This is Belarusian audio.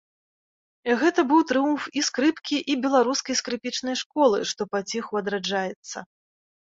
Гэта быў трыумф і скрыпкі, і беларускай скрыпічнай школы, што паціху адраджаецца.